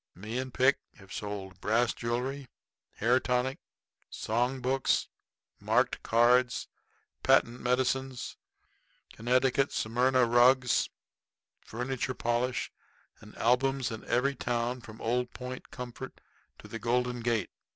Me and Pick have sold brass jewelry, hair tonic, song books, marked cards, patent medicines, Connecticut Smyrna rugs, furniture polish, and albums in every town from Old Point Comfort to the Golden Gate.